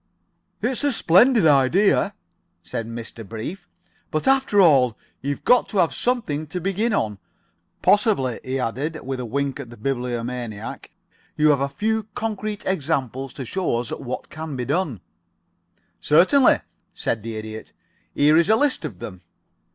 "It's a splendid idea," said Mr. Brief. "But, after all, you've got to have something to begin on. Possibly," he added, with a wink at the Bibliomaniac, "you have a few concrete examples to show us what can be done." "Certainly," said the Idiot. "Here is a list of them."